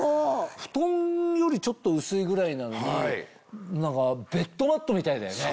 布団よりちょっと薄いぐらいなのに何かベッドマットみたいだよね。